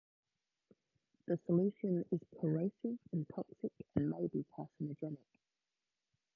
The solution is corrosive and toxic, and may be carcinogenic.